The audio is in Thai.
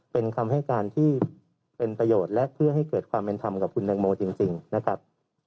เป็นคำให้การที่เป็นประโยชน์และเพื่อให้เกิดความเป็นธรรมกับคุณแตงโมจริงนะครับ